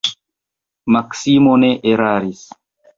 Maksimo ne eraris.